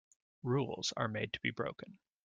Rules are made to be broken.